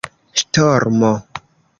ŝtormo